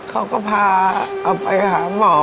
เขาก็พาเอาไปหาหมอ